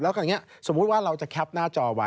แล้วก็อย่างนี้สมมุติว่าเราจะแคปหน้าจอไว้